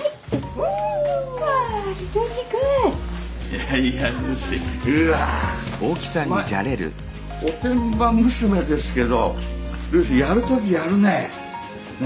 お前おてんば娘ですけどルーシーやる時やるね！ね！